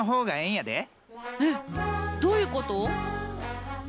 えっどういうこと？